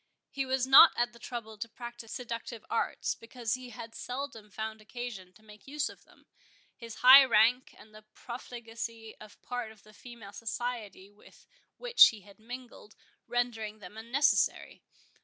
He was not at the trouble to practise seductive arts, because he had seldom found occasion to make use of them; his high rank, and the profligacy of part of the female society with which he had mingled, rendering them unnecessary.